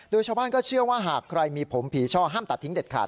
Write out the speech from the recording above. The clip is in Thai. โดยชาวบ้านก็เชื่อว่าหากใครมีผมผีช่อห้ามตัดทิ้งเด็ดขาด